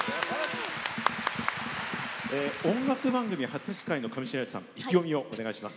音楽番組初司会の上白石さん意気込みをお願いします。